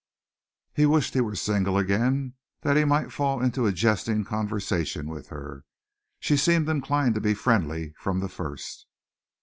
He wished he were single again that he might fall into a jesting conversation with her. She seemed inclined to be friendly from the first.